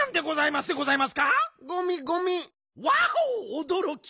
おどろき。